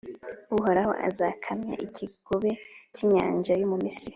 Uhoraho azakamya ikigobe cy’inyanja yo mu Misiri,